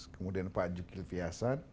kemudian pak juki fiasan